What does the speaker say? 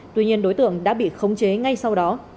tuy nhiên đối tượng đã bị khống chế ngay sau đó